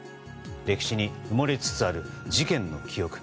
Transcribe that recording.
歴史に埋もれつつある事件の記録。